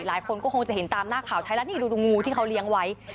หลายคนก็คงจะเห็นตามหน้าข่าวไทยรัฐนี่ดูงูที่เขาเลี้ยงไว้